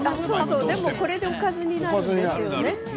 でも、これでおかずになるんですよね。